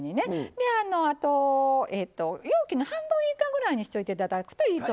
であと容器の半分以下ぐらいにしといて頂くといいと思います。